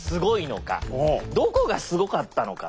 どこがすごかったのか。